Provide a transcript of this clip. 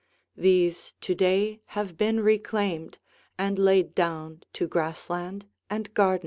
These to day have been reclaimed and laid down to grass land and garden.